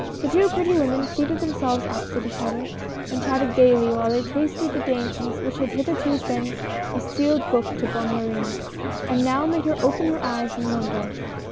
The two pretty women seated themselves opposite each other, and chatted gayly while they tasted the dainties which had hitherto been a sealed book to Bonne Marie, and now made her open her eyes in wonder.